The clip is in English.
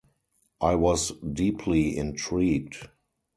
I was deeply intrigued.